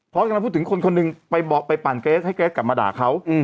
กำลังพูดถึงคนคนหนึ่งไปปั่นเกรสให้เกรสกลับมาด่าเขา